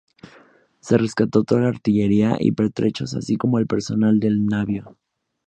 Se rescató toda la artillería y pertrechos, así como el personal del navío.